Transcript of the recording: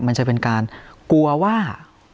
มันจะเป็นการกลัวว่า